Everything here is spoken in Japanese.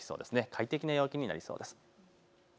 快適な陽気になりそうです。